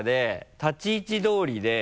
立ち位置通りで。